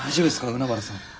海原さん。